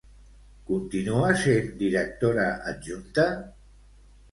Continua sent directora adjunta?